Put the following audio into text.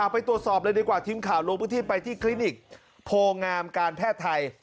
ไปตรวจสอบเลยดีกว่าทีมข่าวลงพื้นที่ไปที่คลินิกโพงามการแพทย์ไทย